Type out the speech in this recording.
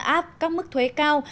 áp các mức thuế cao